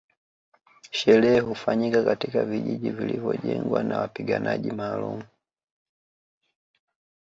Sherehe hufanyika katika vijiji vilivyojengwa na wapiganaji maalumu